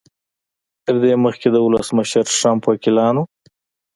تر دې مخکې د ولسمشر ټرمپ وکیلانو